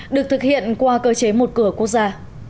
được thực hiện qua cơ chế một cửa quốc gia